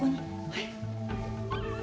はい。